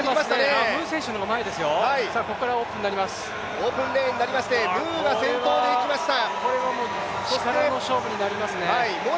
オープンレーンになりましてムーが先頭でいきました。